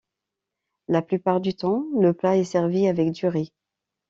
La plupart du temps, le plat est servi avec du riz.